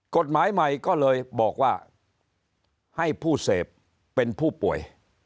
กฎหมายใหม่ก็เลยบอกว่าให้ผู้เสพเป็นผู้ป่วย